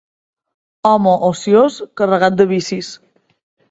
Home ociós, carregat de vicis.